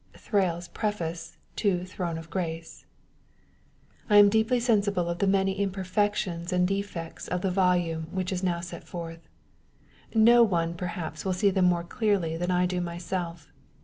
'*— IVailPs Pre/ace to Throne of Orace. I am deeply sensible of the many imperfections and defects of the volume which is now sent forth. No one perhaps will see them more clearly than I do mysel£.